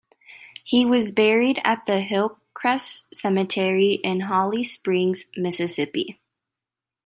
He was buried at the Hillcrest Cemetery in Holly Springs, Mississippi.